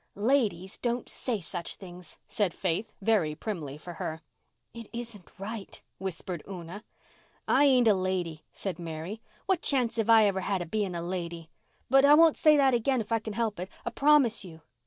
"Ladies don't say such things," said Faith, very primly for her. "It isn't right," whispered Una. "I ain't a lady," said Mary. "What chance've I ever had of being a lady? But I won't say that again if I can help it. I promise you."